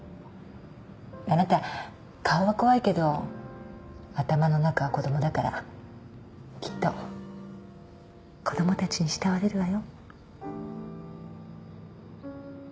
あなた顔は怖いけど頭の中は子供だからきっと子供たちに慕われるわよ。